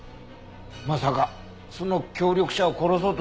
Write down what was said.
まさかその協力者を殺そうとした？